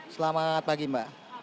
selamat pagi mbak